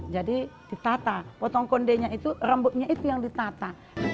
jadi ditata potong kondenya itu rambutnya itu yang ditata